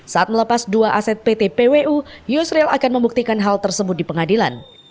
saat melepas dua aset pt pwu yusril akan membuktikan hal tersebut di pengadilan